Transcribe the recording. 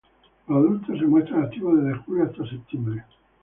Los adultos se muestran activos desde julio hasta septiembre.